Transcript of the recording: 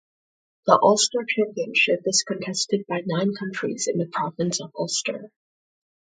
The Ulster championship is contested by the nine counties in the province of Ulster.